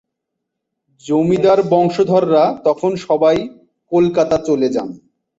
জমিদার বংশধররা তখন সবাই কলকাতা চলে যান।